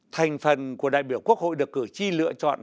thành phần của đại biểu quốc hội được cử tri lựa chọn